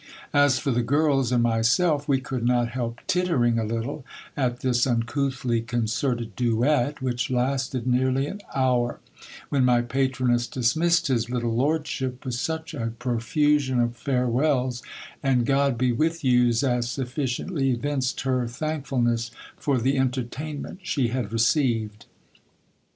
As for the girls and myself, we could not help tittering a little at this uncouthly concerted duet, which lasted nearly an hour : when my patroness dismissed his little lordship, with such a profusion of farewells and God be with you's, as sufficiently evinced her thank fulness for the entertainment she had received.